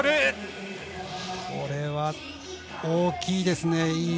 これは大きいですね。